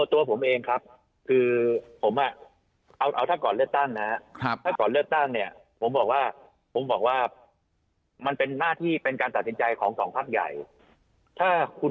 ตัวผมเองครับถ้าก่อนเลือดตั้งผมบอกว่ามันเป็นหน้าที่เป็นการตัดสินใจของสองภาพใหญ่